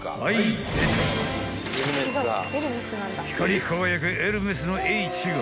［光り輝くエルメスの「Ｈ」が］